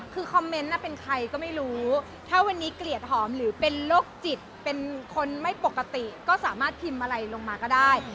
คือคอมเมนต์เป็นใครก็ไม่รู้ถ้าวันนี้เกลียดหอมหรือเป็นโรคจิตเป็นคนไม่ปกติก็สามารถพิมพ์อะไรลงมาก็ได้